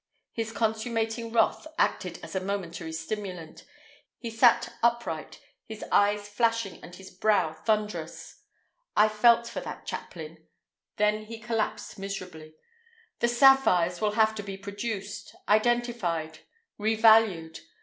His consummating wrath acted as a momentary stimulant. He sat upright, his eyes flashing and his brow thunderous. I felt for that chaplain. Then he collapsed miserably. "The sapphires will have to be produced, identified, revalued.